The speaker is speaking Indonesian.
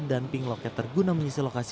dan ping loket terguna menyisi lokasi